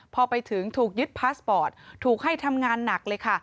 พอไปถึงถูกยึดพาสปอร์ตถูกให้ทำงานหนักเลยค่ะ